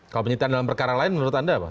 kalau penyitaan dalam perkara lain menurut anda apa